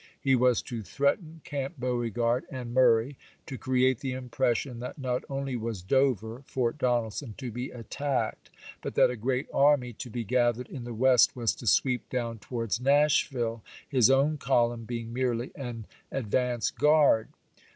He was to threaten Camp Beauregard and Murray, to create the impression that not only was Dover (Fort Donelson) to be attacked, but that a great army to be gathered in the West was to sweep down towards Nashville, his own column being merely an advance guard.